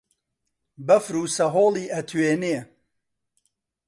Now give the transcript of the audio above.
بەفر و سەهۆڵی ئەتوێنێ